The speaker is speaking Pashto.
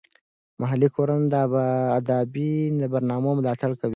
محلي کورونه د ادبي برنامو ملاتړ کوي.